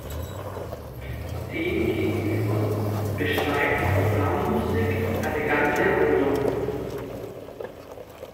Demgegenüber beschreibt Programmmusik eine ganze Handlung.